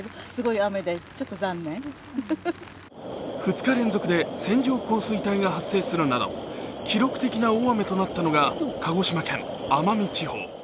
２日連続で線状降水帯が発生するなど記録的な大雨となったのが鹿児島県奄美地方。